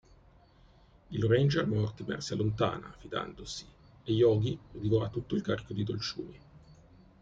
Il ranger Mortimer si allontana, fidandosi, e Yoghi divora tutto il carico di dolciumi.